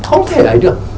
không thể ấy được